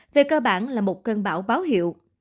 về cơ bản là một cơn bão báo hiệu